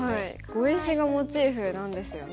碁石がモチーフなんですよね。